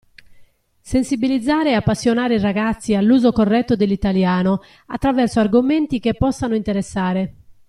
Sensibilizzare e appassionare i ragazzi all'uso corretto dell'italiano, attraverso argomenti che possano interessare.